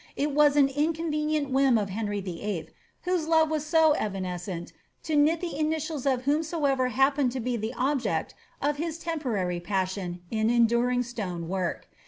It was an inconvenient whim of Heniy Vlll., whose love was so evanescent, to knit the initials of whomsoeva happened to be the object of his temporary passion in enduring stooe work.